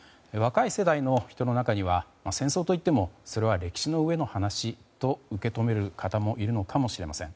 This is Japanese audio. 若い世代の人の中には戦争といってもそれは歴史のうえの話と受け止める方もいるのかもしれません。